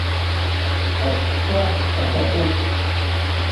Аԥшра аҭахуп.